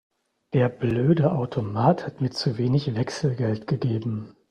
Der blöde Automat hat mir zu wenig Wechselgeld gegeben.